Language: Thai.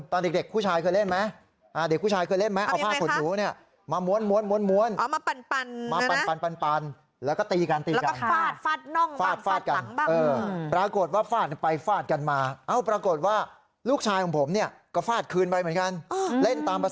ตอนเด็กผู้ชายเคยเล่นไหม